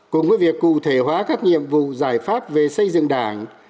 cùng với việc cụ thể hóa các nhiệm vụ giải pháp về xây dựng đảng